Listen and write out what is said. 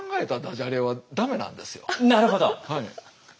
なるほど。